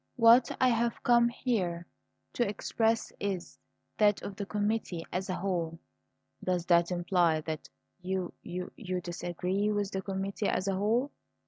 What I have come here to express is that of the committee as a whole." "Does that imply that y y you disagree with the committee as a whole?"